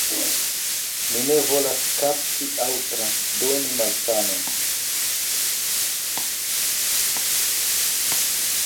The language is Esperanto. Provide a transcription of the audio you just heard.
Mi ne volas kapti aŭ transdoni malsanon.